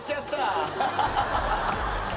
アハハハ。